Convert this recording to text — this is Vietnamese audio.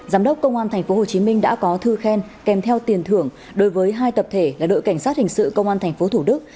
giám đốc công an tp hcm đã có thư khen kèm theo tiền thưởng đối với hai tập thể là đội cảnh sát hình sự công an tp thủ đức